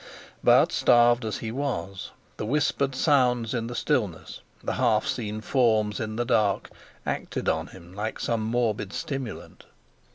But starved as he was, the whispered sounds in the stillness, the half seen forms in the dark, acted on him like some morbid stimulant.